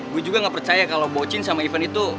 gue juga gak percaya kalo bocin sama ivan itu